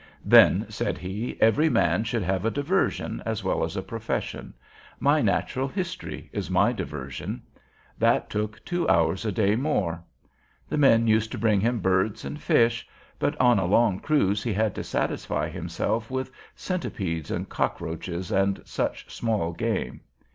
"Then," said he, "every man should have a diversion as well as a profession. My Natural History is my diversion." That took two hours a day more. The men used to bring him birds and fish, but on a long cruise he had to satisfy himself with centipedes and cockroaches and such small game.